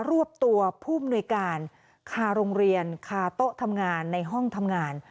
รวบตัวผู้มนุยการคาโรงเรียนคาโต๊ะทำงานในห้องทำงาน